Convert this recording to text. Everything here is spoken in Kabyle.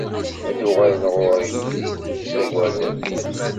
Ad d-uɣalen ɣur-i wid i k-ittaggaden.